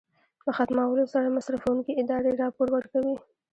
د ختمولو سره مصرفوونکې ادارې راپور ورکوي.